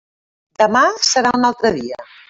Demà serà un altre dia.